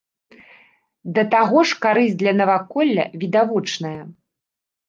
Да таго ж карысць для наваколля відавочная.